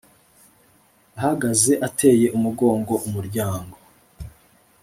ahagaze ateye umugongo umuryango,